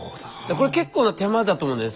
これ結構な手間だと思うんだよね。